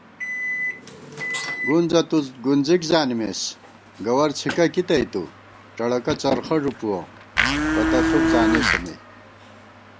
گُنزہ تُو گُنزِک زانِمېس، گوَر څھِکہ کی تئیتُو * ڄَڑَکہ څرخہ ݫُپُوَہ، پتہ ݪُپ زانېسہ نئ